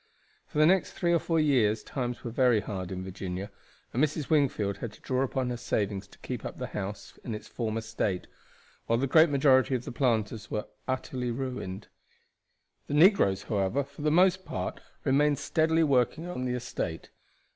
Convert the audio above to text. For the next three or four years times were very hard in Virginia, and Mrs. Wingfield had to draw upon her savings to keep up the house in its former state; while the great majority of the planters were utterly ruined. The negroes, however, for the most part remained steadily working on the estate.